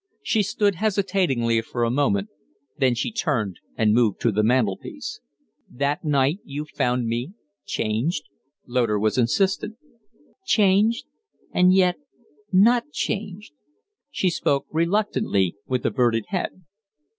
She stood hesitating for a moment, then she turned and moved to the mantel piece. "That night you found me changed?" Loder was insistent. "Changed and yet not changed." She spoke reluctantly, with averted head.